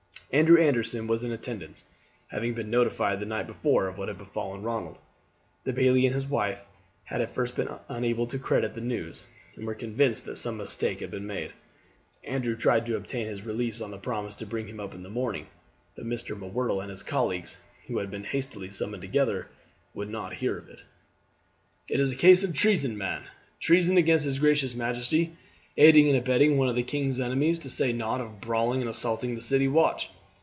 Andrew Anderson was in attendance, having been notified the night before of what had befallen Ronald. The bailie and his wife had at first been unable to credit the news, and were convinced that some mistake had been made. Andrew had tried to obtain his release on his promise to bring him up in the morning, but Mr. M'Whirtle and his colleagues, who had been hastily summoned together, would not hear of it. "It's a case of treason, man. Treason against his gracious majesty; aiding and abetting one of the king's enemies, to say nought of brawling and assaulting the city watch."